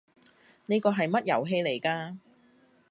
呢個係乜遊戲嚟㗎？